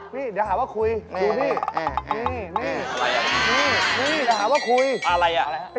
นี่เดี๋ยวหาว่าคุยดูนี่